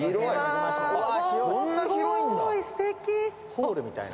ホールみたいな。